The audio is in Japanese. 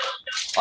あ！